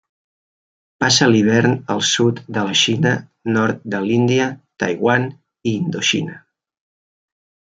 Passa l'hivern al sud de la Xina, nord de l'Índia, Taiwan i Indoxina.